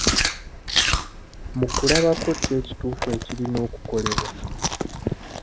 Mu kulaba kwo ki ekituufu ekirina okukolebwa?